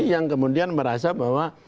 yang kemudian merasa bahwa